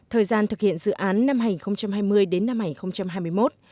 thời gian thực hiện dự án năm hai nghìn hai mươi đến năm hai nghìn hai mươi một